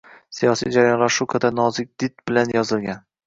siyosiy jarayonlar shu qadar nozik did bilan yozilgan.